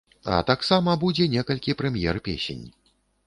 А таксама будзе некалькі прэм'ер песень.